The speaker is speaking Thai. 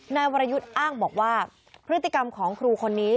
นายวรยุทธ์อ้างบอกว่าพฤติกรรมของครูคนนี้